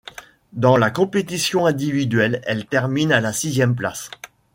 Dans la compétition individuelle, elle termine à la sixième place.